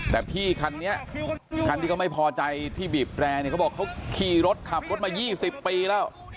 แต่พี่คันนี้คันที่เขาไม่พอใจที่บีบแรร์เนี่ยเขาบอกเขาขี่รถขับรถมา๒๐ปีแล้ว